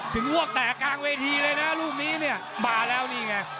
ถึงว่าแตกล้างเวทีเลยนะรูปนี้เนี่ยมาแล้วนี่ไง